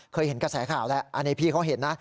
เห็นกระแสข่าวแล้วอันนี้พี่เขาเห็นนะ